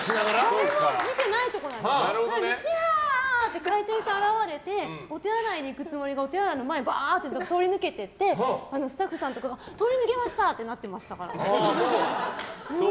誰も見てないところでキャーって回転して現れてお手洗いに行くつもりがお手洗いの前をバーって通り抜けてってスタッフさんとかが通り抜けましたってなってましたから。